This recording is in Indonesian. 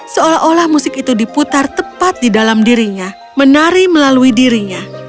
seolah olah musik itu diputar tepat di dalam dirinya menari melalui dirinya